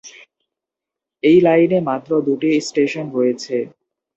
এই লাইনে মাত্র দুটি স্টেশন রয়েছে।